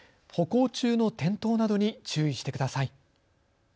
歩行中の転倒などに注意してください。